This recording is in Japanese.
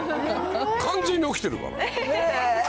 完全に起きてるから。